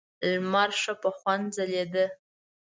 لمر ښه په خوند ځلېده.